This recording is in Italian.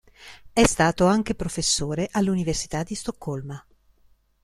È stato anche professore all'Università di Stoccolma.